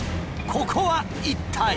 ここは一体？